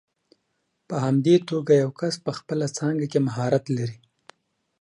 په همدې توګه یو کس په خپله څانګه کې مهارت لري.